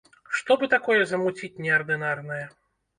Што бы такое замуціць неардынарнае?